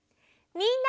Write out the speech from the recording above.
みんな！